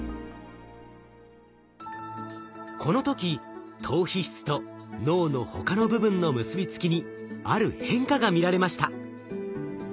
この時島皮質と脳の他の部分の結びつきにある変化が見られました。